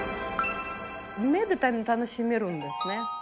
目で楽しめるんですね。